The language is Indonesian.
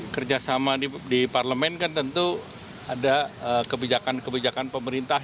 kerjasama di parlemen kan tentu ada kebijakan kebijakan pemerintah